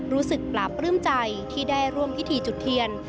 รู้สึกปราบปลื้มใจที่ได้ร่วมพิธีจุดเทียน